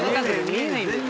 見えないんだよ